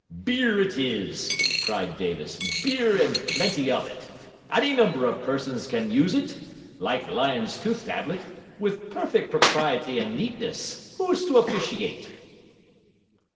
'Beer it is!' cried Davis. 'Beer and plenty of it. Any number of persons can use it (like Lyon's tooth tablet) with perfect propriety and neatness. Who's to officiate?'